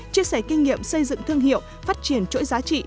chia sẻ kinh nghiệm xây dựng thương hiệu phát triển chuỗi giá trị